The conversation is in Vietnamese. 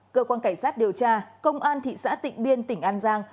cơ quan cảnh sát điều tra công an thị xã tịnh biên tỉnh an giang